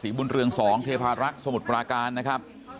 ศรีภูมิเรืองสองเทพละลักษมติปลาการนะคะ